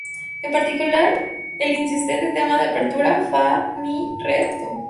En particular, el insistente tema de apertura: fa mi re do.